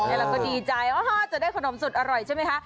เราก็ดีใจจะได้ขนมสุดอร่อยใช่ไหมคะ